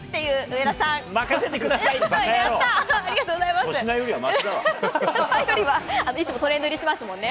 いつもトレンド入りしてますもんね。